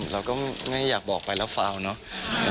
เราก็ไม่อยากบอกไปแล้วฟาวเนอะ